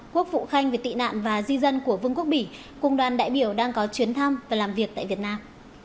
quốc vụ khanh về tị nạn và di dân của vương quốc bỉ cùng đoàn đại biểu đang có chuyến thăm và làm việc tại việt nam